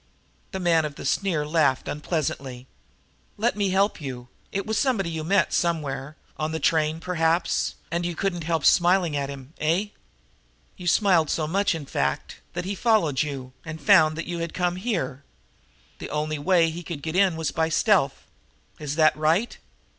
The man of the sneer laughed unpleasantly. "Let me help you. It was somebody you met somewhere on the train, perhaps, and you couldn't help smiling at him, eh? You smiled so much, in fact, that he followed you and found that you had come here. The only way he could get in was by stealth. Is that right?